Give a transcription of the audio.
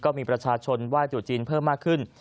ก็มีประชาชนไหว้จุดจีนเพิ่มมากขึ้น